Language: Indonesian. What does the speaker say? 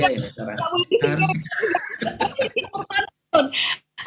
kamu disingkirin juga